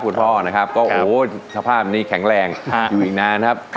คุณพ่อนะครับก็โอ้โหสภาพนี้แข็งแรงอยู่อีกนานครับ